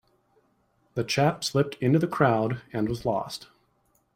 The chap slipped into the crowd and was lost.